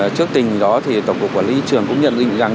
trước tình đó thì tổng cục quản lý thị trường cũng nhận định rằng